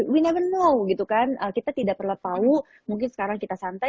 we never know gitu kan kita tidak perlu tahu mungkin sekarang kita santai